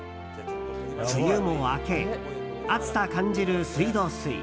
梅雨も明け熱さ感じる、水道水。